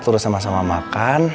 terus sama sama makan